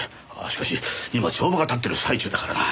しかし今帳場が立ってる最中だからな。